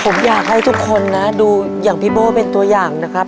ผมอยากให้ทุกคนนะดูอย่างพี่โบ้เป็นตัวอย่างนะครับ